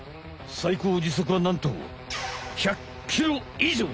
さいこう時速はなんと１００キロ以上！